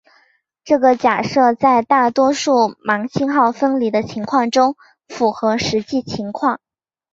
这个假设在大多数盲信号分离的情况中符合实际情况。